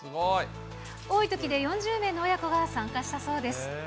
多いときで４０名の親子が参加したそうです。